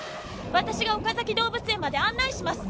私が岡崎動物園まで案内します。